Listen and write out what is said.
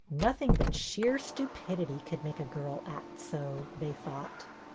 Nothing but sheer stupid ity could make a girl act so, they thought.